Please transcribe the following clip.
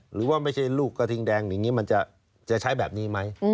หรือว่าไม่ใช่ลูกกระทิงแดงอย่างนี้มันจะใช้แบบนี้ไหม